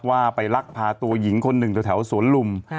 ว่าไปลักพาตัวหญิงคนหนึ่งแถวสวนลุม